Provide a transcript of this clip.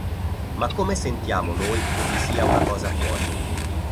Ma come sentiamo noi che vi sia una cosa fuori?